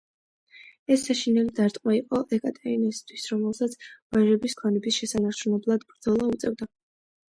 ეს საშინელი დარტყმა იყო ეკატერინასათვის, რომელსაც ვაჟების ქონების შესანარჩუნებლად ბრძოლა უწევდა.